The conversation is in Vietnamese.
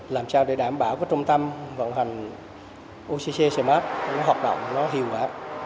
làm sao để đảm bảo các trung tâm vận hành occcmf hoạt động hiệu quả